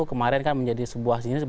kemarin kan menjadi sebuah